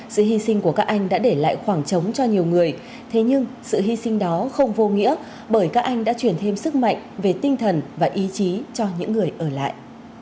sự hy sinh của các anh đã để lại khoảng trống cho nhiều người thế nhưng sự hy sinh đó không vô nghĩa bởi các anh đã chuyển thêm sức mạnh về tinh thần và ý chí cho những người ở lại